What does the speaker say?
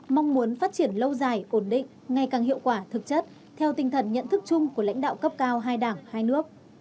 mong muốn phát triển lâu dài ổn định ngày càng hiệu quả thực chất theo tinh thần nhận thức chung của lãnh đạo cấp cao hai đảng hai nước